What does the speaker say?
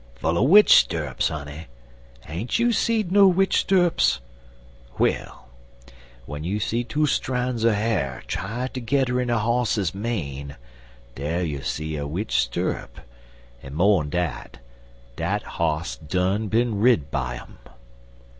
"Full er witch stirrups, honey. Ain't you seed no witch stirrups? Well, w'en you see two stran' er ha'r tied tergedder in a hoss's mane, dar you see a witch stirrup, en, mo'n dat, dat hoss done bin rid by um."